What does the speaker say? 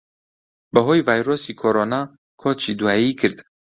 بەھۆی ڤایرۆسی کۆرۆنا کۆچی دواییی کرد